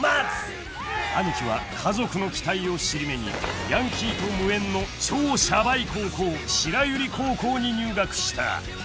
［アニキは家族の期待を尻目にヤンキーと無縁の超シャバい高校白百合高校に入学した］